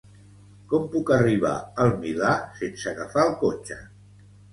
Com puc arribar al Milà sense agafar el cotxe?